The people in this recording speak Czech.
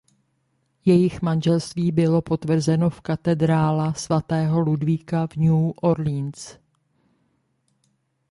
Jejich manželství bylo potvrzeno v katedrála svatého Ludvíka v New Orleans.